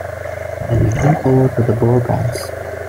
Then he went over to the Bourbons.